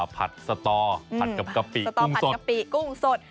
ผัดสต้อผัดกับกะปิกุ้งสด